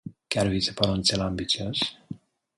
Chiar vi se pare un țel ambițios?